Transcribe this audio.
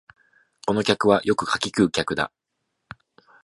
この客はよく柿食う客だ